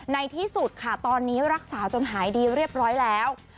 ในที่สุดค่ะตอนนี้รักษาจนหายดีเรียบร้อยแล้ว